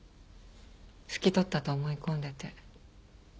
拭き取ったと思い込んでて。